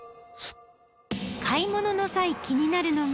買い物の際気になるのが。